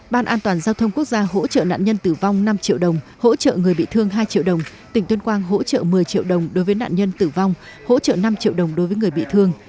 ban an toàn giao thông quốc gia hỗ trợ nạn nhân tử vong năm triệu đồng hỗ trợ người bị thương hai triệu đồng tỉnh tuyên quang hỗ trợ một mươi triệu đồng đối với nạn nhân tử vong hỗ trợ năm triệu đồng đối với người bị thương